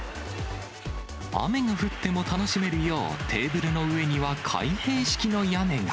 雨が降っても楽しめるよう、テーブルの上には開閉式の屋根が。